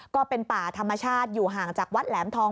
ก็เป็นป่าธรรมชาติอยู่ห่างจากวัดแหลมทอง